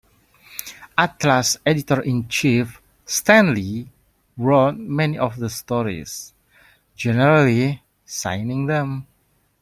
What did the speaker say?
Atlas editor-in-chief Stan Lee wrote many of the stories, generally signing them.